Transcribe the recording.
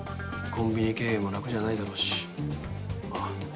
コンビニ経営も楽じゃないだろうしあっ